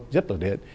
rất tự nhiên